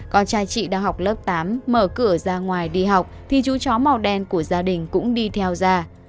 con trai chị đang học lớp tám mở cửa ra ngoài đi học thì chú chó màu đen của gia đình cũng đi theo ra